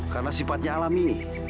karena sifatnya alami